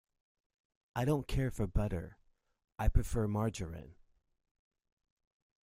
I don’t care for butter; I prefer margarine.